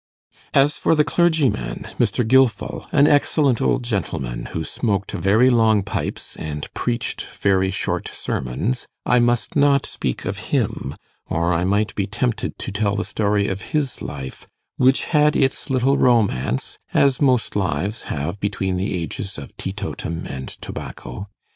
As for the clergyman, Mr. Gilfil, an excellent old gentleman, who smoked very long pipes and preached very short sermons, I must not speak of him, or I might be tempted to tell the story of his life, which had its little romance, as most lives have between the ages of teetotum and tobacco.